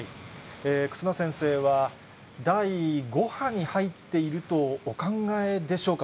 忽那先生は、第５波に入っているとお考えでしょうか。